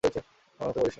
আমার হাতে মরিস না, ভাই।